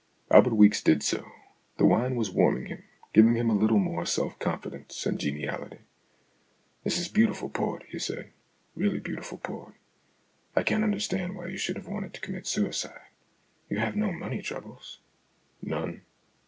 Albert Weeks did so. The wine was warming him, giving him a little more self confidence and geniality. " This is beautiful port," he said, " really beautiful port. I can't understand why you should have wanted to commit suicide. You have no money troubles ?"" None."